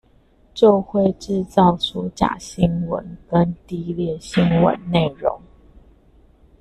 就會製造出假新聞跟低劣新聞內容